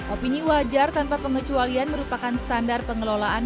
opini wajar tanpa pengecualian merupakan standar pengelolaan